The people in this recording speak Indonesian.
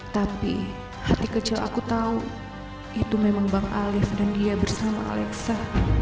tapi hati kecil aku tahu itu memang bang alif dan dia bersama alexa